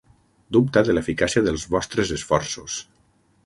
Dubta de l'eficàcia dels vostres esforços.